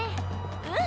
うん！